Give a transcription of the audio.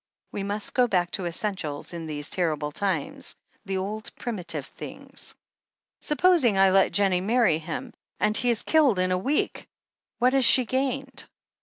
We must go back to essentials in these terrible times — the old, primitive things." "Supposing I let Jennie marry him, and he is killed in a week — ^what has she gained?"